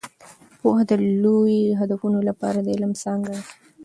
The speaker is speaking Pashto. پوهه د لوی هدفونو لپاره د علم څانګه ده.